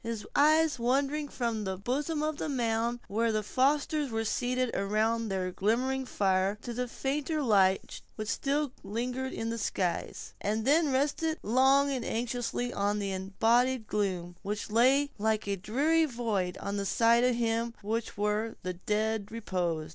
His eyes wandered from the bosom of the mound, where the foresters were seated around their glimmering fire, to the fainter light which still lingered in the skies, and then rested long and anxiously on the embodied gloom, which lay like a dreary void on that side of him where the dead reposed.